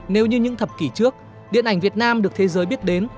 nếu như những thập kỷ trước điện ảnh việt nam được thế giới biết đến